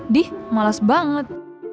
dih males banget